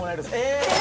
え！